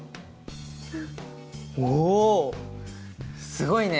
すごいね。